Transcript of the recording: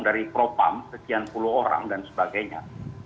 dari propam sekian puluh orang dan sebagainya